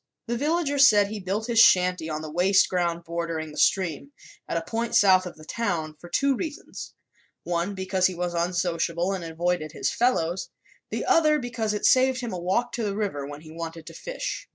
The villagers said he built his shanty on the waste ground bordering the stream at a point south of the town for two reasons, one, because he was unsociable and avoided his fellows, the other, because it saved him a walk to the river when he wanted to fish.